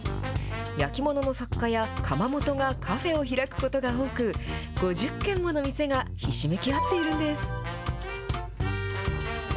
焼き物の作家や窯元がカフェを開くことが多く、５０軒もの店がひしめき合っているんです。